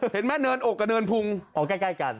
เห็นไหมเนินอกกับเนินพุงอ๋อใกล้กัน